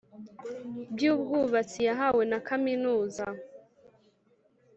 by ubwubatsi yahawe na kaminuza